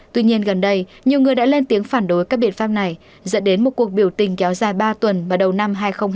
tuy nhiên gần đây nhiều người đã lên tiếng phản đối các biện pháp này dẫn đến một cuộc biểu tình kéo dài ba tuần vào đầu năm hai nghìn hai mươi